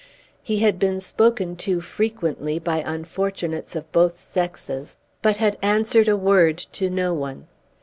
He had been spoken to frequently by unfortunates of both sexes, but had answered a word to no one.